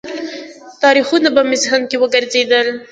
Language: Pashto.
تاریخونه به مې ذهن کې وګرځېدل.